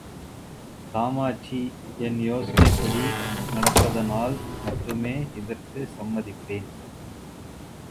காமாட்சி என் யோசனைப்படி நடப்பதானால் மட்டுமே இதற்கு சம்மதிப்பேன்.